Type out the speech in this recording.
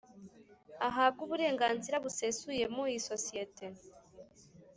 Ahabwe uburenganzira busesuye mu isosiyete